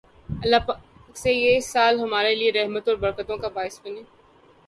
الله پاک یہ سال ہمارے لیئے رحمتوں اور برکتوں کا باعث بنائے